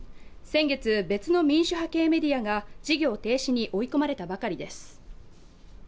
先月、別の民主派系メディアが事業停止に追い込まれたばかりです。